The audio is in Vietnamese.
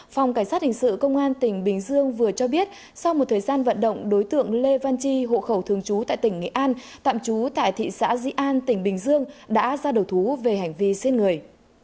phòng cảnh sát hình sự công an tỉnh bình dương vừa cho biết sau một thời gian vận động đối tượng lê văn chi hộ khẩu thường trú tại tỉnh nghệ an tạm trú tại thị xã di an tỉnh bình dương đã ra đầu thú về hành vi giết người